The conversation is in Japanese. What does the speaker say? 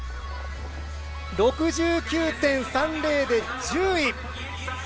６９．３０で１０位。